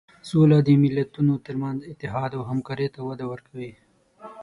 سوله د ملتونو تر منځ اتحاد او همکاري ته وده ورکوي.